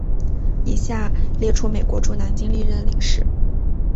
以下列出美国驻南京历任领事。